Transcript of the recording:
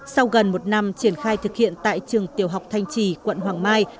sau gần một năm triển khai thực hiện tại trường tiểu học thanh trì quận hoàng mai